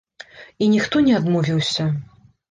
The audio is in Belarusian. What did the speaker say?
І ніхто не адмовіўся.